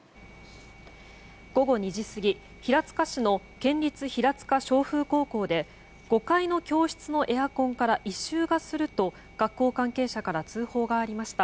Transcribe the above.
午後２時過ぎ、平塚市の県立湘風高校で５階の教室のエアコンから異臭がすると学校関係者から通報がありました。